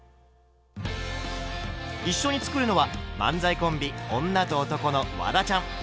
一緒に作るのは漫才コンビ「女と男」のワダちゃん。